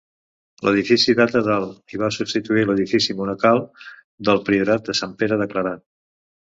L'edifici data del i va substituir l'edifici monacal del priorat de Sant Pere de Clarà.